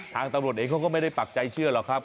ตำรวจเองเขาก็ไม่ได้ปักใจเชื่อหรอกครับ